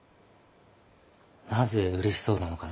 なぜうれしそうなのかな？